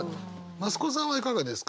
増子さんはいかがですか？